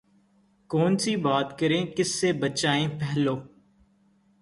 کون سی بات کریں کس سے بچائیں پہلو